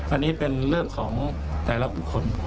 อันนี้เป็นเรื่องของแต่ละบุคคล